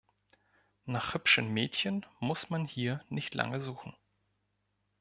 Nach hübschen Mädchen muss man hier nicht lange suchen.